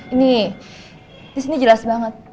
ini disini jelas banget